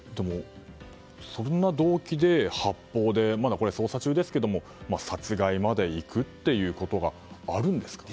そんな動機で発砲でまだ捜査中ですが殺害までいくということがあるんですか？